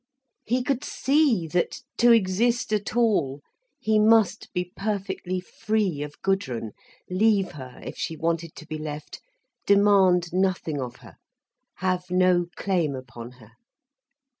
He could see that, to exist at all, he must be perfectly free of Gudrun, leave her if she wanted to be left, demand nothing of her, have no claim upon her.